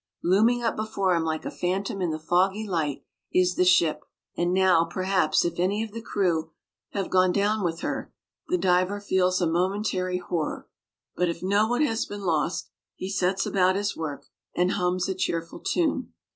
Looming up before him like a phantom in the foggy light is the ship; and now, perhaps, if any of the crew have gone down with her, the diver feels a momentary horror; but if no one has been lost, he sets about his work, and hums a cheerful tune.